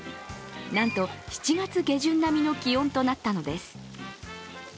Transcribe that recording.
なんと７月下旬並みの気温となったのです。